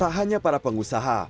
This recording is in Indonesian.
tak hanya para pengusaha